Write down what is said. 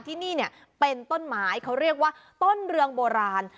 ที่นี่เนี่ยเป็นต้นไม้เขาเรียกว่าต้นเรืองโบราณ